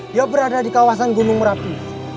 dia berada di kawasan gunung merapi